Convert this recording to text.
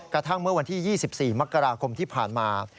กระทั่งเมื่อวันที่๒๔มกราคมที่ผ่านมา